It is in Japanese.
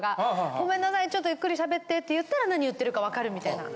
「ごめんなさいちょっとゆっくりしゃべって」って言ったらなに言ってるか分かるみたいな。